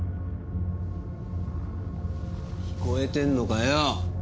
聞こえてんのかよ？